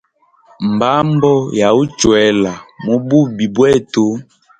Mbambo ya uchwela mububi bwetu.